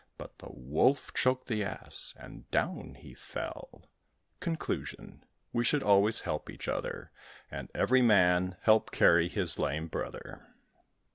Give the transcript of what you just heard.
But the Wolf choked the Ass, and down he fell. Conclusion: We should always help each other; And every man help carry his lame brother.